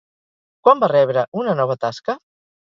Quan va rebre una nova tasca?